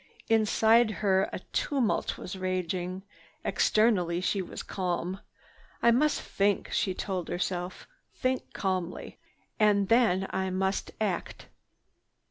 Inside her a tumult was raging. Externally she was calm. "I must think," she told herself, "think calmly. And then I must act."